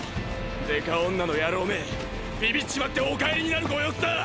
デカ女の野郎めビビっちまってお帰りになるご様子だ！